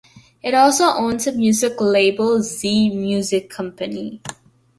It also owns a music label, Zee Music Company.